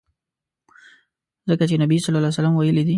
ځکه چي نبي ص ویلي دي.